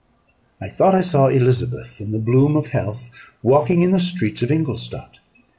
I thought I saw Elizabeth, in the bloom of health, walking in the streets of Ingolstadt.